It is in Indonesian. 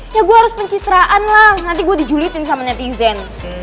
ya gue harus pencitraan lah nanti gue dijuluitin sama netizen